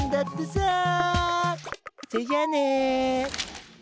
それじゃあね。